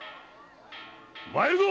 参るぞ！